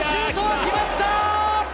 決まった！